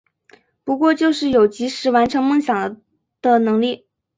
不过就是有及时完成梦想的能力